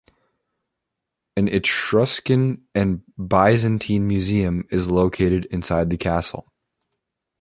An Etruscan and Byzantine museum is located inside the castle.